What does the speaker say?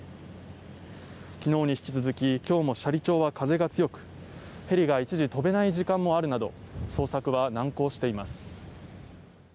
昨日に引き続き今日も斜里町は風が強くヘリが一時、飛べない時間もあるなど捜索は難航しています。